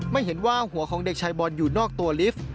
ไม่เห็นว่าหัวของเด็กชายบอลอยู่นอกตัวลิฟต์